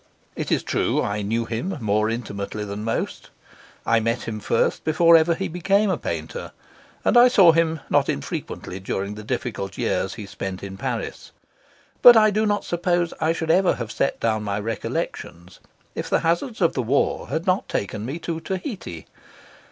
It is true I knew him more intimately than most: I met him first before ever he became a painter, and I saw him not infrequently during the difficult years he spent in Paris; but I do not suppose I should ever have set down my recollections if the hazards of the war had not taken me to Tahiti.